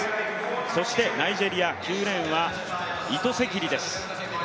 そしてナイジェリア、９レーンはイトセキリです。